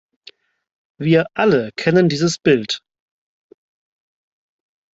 Wir alle kennen dieses Bild.